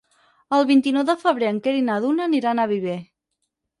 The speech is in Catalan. El vint-i-nou de febrer en Quer i na Duna aniran a Viver.